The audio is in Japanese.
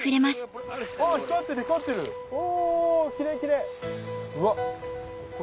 お！